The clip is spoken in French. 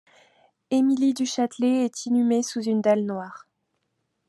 Émilie du Châtelet est inhumée sous une dalle noire.